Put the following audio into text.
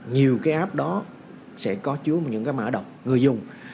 nhiều cái app đó sẽ có chứa những cái mã độc người dùng